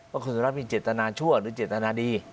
ว่าคุณสุรัตน์มีเจตนาชั่วหรือเจตนาดี